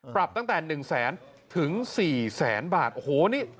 ปรับตั้งแต่๑แสนถึง๔แสนบาทโอ้โหนี่